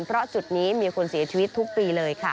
เพราะจุดนี้มีคนเสียชีวิตทุกปีเลยค่ะ